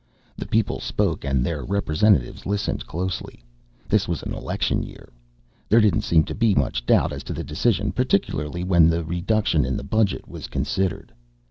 The people spoke and their representatives listened closely. This was an election year. There didn't seem to be much doubt as to the decision, particularly when the reduction in the budget was considered.